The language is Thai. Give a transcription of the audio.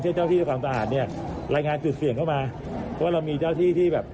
เจ้าที่ทำความสะอาดเนี่ยรายงานจุดเสี่ยงเข้ามาเพราะว่าเรามีเจ้าที่ที่แบบ